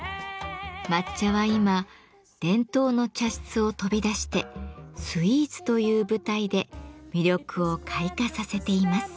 抹茶は今伝統の茶室を飛び出してスイーツという舞台で魅力を開花させています。